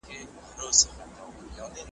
یوه سړي خو په یوه ټلیفوني رپوټ کي .